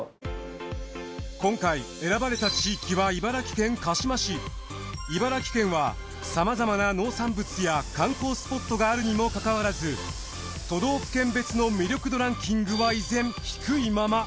今回選ばれた地域は茨城県はさまざまな農産物や観光スポットがあるにもかかわらず都道府県別の魅力度ランキングは依然低いまま。